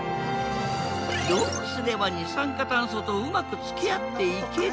どうすれば二酸化炭素とうまくつきあっていけるか。